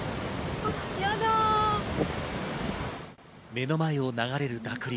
目の前を流れる濁流。